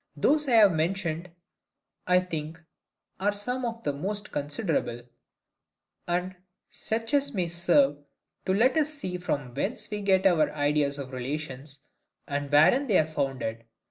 Those I have mentioned, I think, are some of the most considerable; and such as may serve to let us see from whence we get our ideas of relations, and wherein they are founded.